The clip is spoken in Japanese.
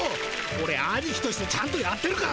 オレアニキとしてちゃんとやってるか？